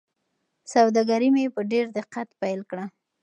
سوداګري مې په ډېر دقت پیل کړه.